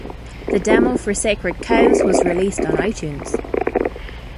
The demo for "Sacred Cows" was released on iTunes.